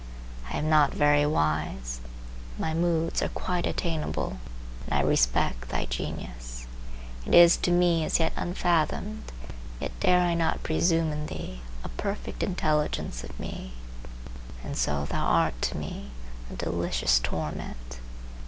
I am not very wise; my moods are quite attainable, and I respect thy genius; it is to me as yet unfathomed; yet dare I not presume in thee a perfect intelligence of me, and so thou art to me a delicious torment.